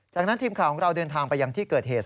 จากนั้นทีมข่าวของเราเดินทางไปยังที่เกิดเหตุ